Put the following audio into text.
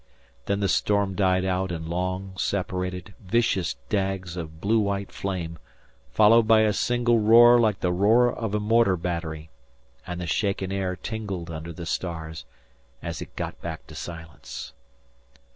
Then the storm died out in long, separated, vicious dags of blue white flame, followed by a single roar like the roar of a mortar battery, and the shaken air tingled under the stars as it got back to silence.